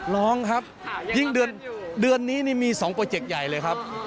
ร้องครับยิ่งเดือนนี้นี่มี๒โปรเจกต์ใหญ่เลยครับ